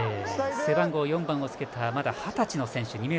背番号４番をつけたまだ二十歳の選手。